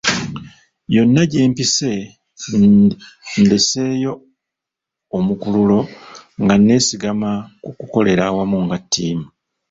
Yonna gye mpise ndeseeyo omukululo nga nneesigama ku kukolera awamu nga ttiimu.